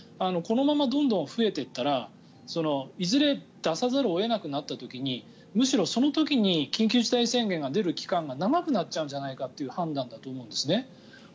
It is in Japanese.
このままどんどん増えていったらいずれ出さざるを得なくなった時にむしろその時に緊急事態宣言を出す期間が長くなっちゃうんじゃないかという判断だと思うんですね。